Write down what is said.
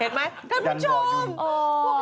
เห็นไหมท่านผู้ชม